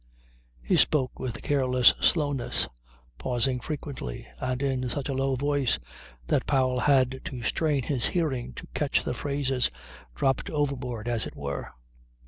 He spoke with careless slowness, pausing frequently and in such a low voice that Powell had to strain his hearing to catch the phrases dropped overboard as it were.